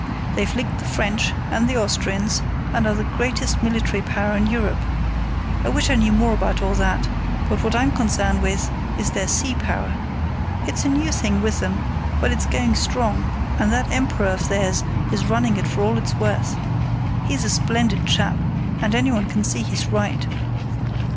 They've licked the French, and the Austrians, and are the greatest military power in Europe. I wish I knew more about all that, but what I'm concerned with is their sea power. It's a new thing with them, but it's going strong, and that Emperor of theirs is running it for all it's worth. He's a splendid chap, and anyone can see he's right.